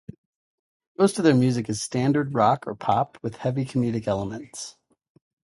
Most of their music is standard rock or pop with heavy comedic elements.